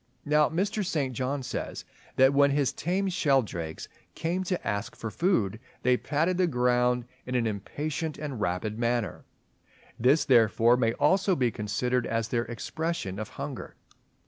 Now Mr. St. John says, that when his tame Sheldrakes "came to ask for food, they patted the ground in an impatient and rapid manner." This therefore may almost be considered as their expression of hunger.